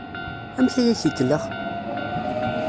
Amek ay ak-ikellex?